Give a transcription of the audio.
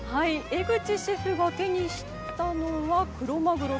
江口シェフが手にしたのはクロマグロ。